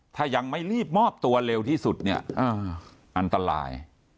ถ้ายังไม่รีบมอบตัวเร็วที่สุดเนี่ยอันตราย